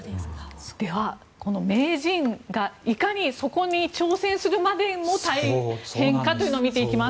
では、この名人がいかにそこに挑戦するまでに大変かというのを見ていきます。